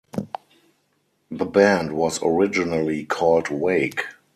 The band was originally called Wake.